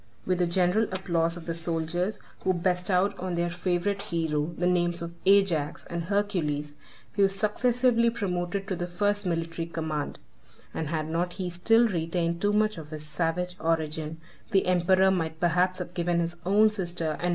With the general applause of the soldiers, who bestowed on their favorite hero the names of Ajax and Hercules, he was successively promoted to the first military command; 3 and had not he still retained too much of his savage origin, the emperor might perhaps have given his own sister in marriage to the son of Maximin.